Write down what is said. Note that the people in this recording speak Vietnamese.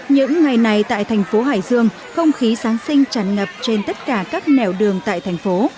những ngày này tại thành phố hải dương không khí giáng sinh tràn ngập trên tất cả các nẻo đường tại thành phố